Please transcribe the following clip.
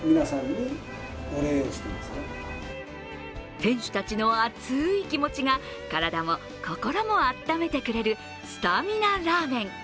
店主たちの熱い気持ちが体も心もあっためてくれるスタミナラーメン。